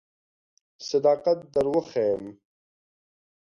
صداقت در وښیم.